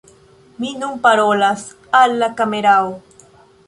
Mi nun parolas al la kamerao!